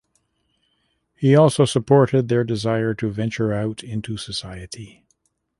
He also supported their desire to venture out into society.